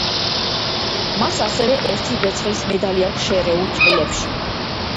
მას ასევე ერთი ვერცხლის მედალი აქვს შერეულ წყვილებში.